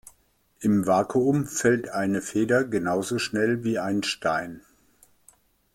Im Vakuum fällt eine Feder genauso schnell wie ein Stein.